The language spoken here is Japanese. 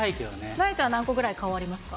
なえちゃん、何個ぐらいありますか？